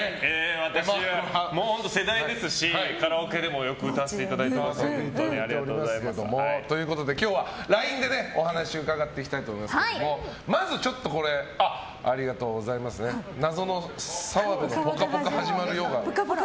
私は世代ですしカラオケでもよく歌わせていただいてます。ということで今日はＬＩＮＥでお話を伺っていきたいと思いますが謎の、澤部の「ぽかぽか」始まるよが。